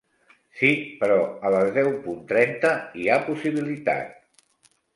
Sí, però a les deu punt trenta hi ha possibilitat.